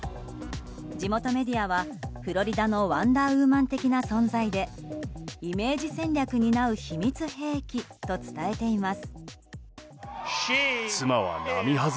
地元メディアはフロリダのワンダーウーマン的な存在でイメージ戦略担う秘密兵器と伝えています。